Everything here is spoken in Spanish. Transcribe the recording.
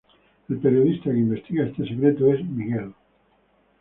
El periodista que investiga este secreto es Miguel.